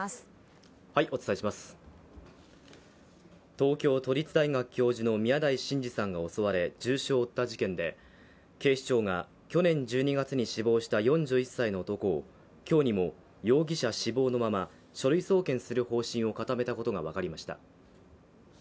東京都立大学教授の宮台真司さんが襲われ重傷を負った事件で警視庁が去年１２月に死亡した４１歳の男を今日にも容疑者死亡のまま書類送検する方針を固めたことが分かりました。